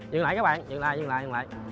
dừng lại các bạn dừng lại dừng lại